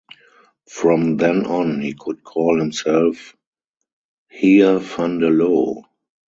From then on he could call himself "Heer van de Loo".